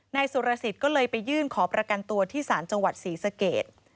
นายสุรสิทธิ์ก็เลยไปยื่นขอประกันตัวที่ศาลจังหวัดศรีสเกต